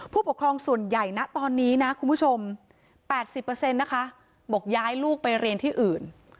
ผู้ปกครองส่วนใหญ่นะตอนนี้นะคุณผู้ชม๘๐นะคะบอกย้ายลูกไปเรียนที่อื่น